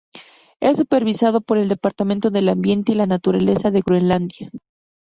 Es supervisado por el Departamento del Ambiente y la Naturaleza de Groenlandia.